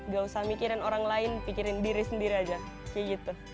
gak usah mikirin orang lain pikirin diri sendiri aja kayak gitu